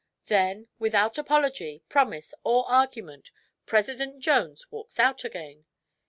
Then, without apology, promise or argument, President Jones walks out again!